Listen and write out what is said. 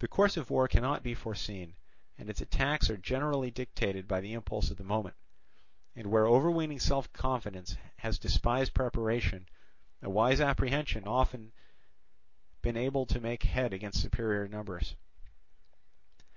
The course of war cannot be foreseen, and its attacks are generally dictated by the impulse of the moment; and where overweening self confidence has despised preparation, a wise apprehension often been able to make head against superior numbers.